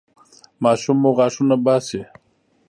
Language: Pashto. ماشوم مو غاښونه وباسي؟